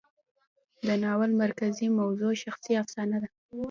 د ناول مرکزي موضوع شخصي افسانه ده.